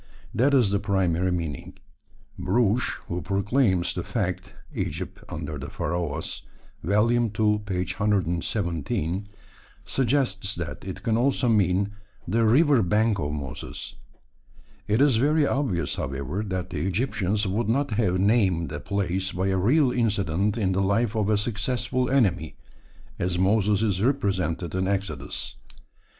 That is the primary meaning. Brugsch, who proclaims the fact (Egypt Under the Pharaohs, ii. 117), suggests that it can also mean "the river bank of Moses." It is very obvious, however, that the Egyptians would not have named a place by a real incident in the life of a successful enemy, as Moses is represented in Exodus.